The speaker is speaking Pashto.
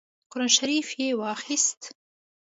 قران شریف یې واخیست.